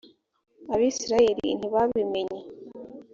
abisirayeli ntibabimenye .